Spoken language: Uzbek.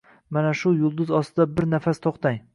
mana shu yulduz ostida bir nafas to'xtang!